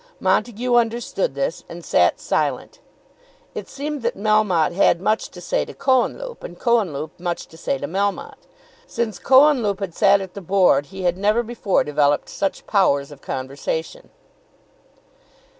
Montague understood this, and sat silent. It seemed that Melmotte had much to say to Cohenlupe, and Cohenlupe much to say to Melmotte. Since Cohenlupe had sat at the Board he had never before developed such powers of conversation.